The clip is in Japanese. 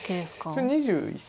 それ２１歳。